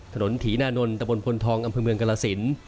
ถนนถีนานนท์ตะบนพลทองอำเภอเมืองกรสิน